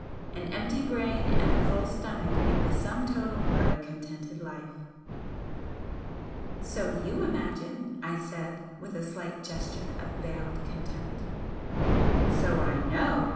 An empty brain and a full stomach make the sum total of a contented life." "So YOU imagine!" I said, with a slight gesture of veiled contempt. "So I KNOW!"